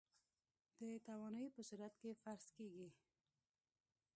د توانايي په صورت کې فرض کېږي.